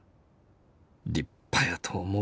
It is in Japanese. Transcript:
立派やと思う」。